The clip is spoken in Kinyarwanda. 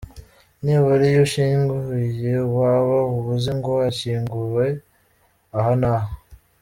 Nibura iyo ushyinguye uwawe uba uzi ngo ashyinguye aha n’aha.